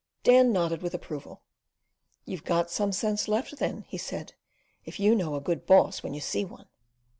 Dan nodded with approval. "You've got some sense left, then," he said, "if you know a good boss when you see one."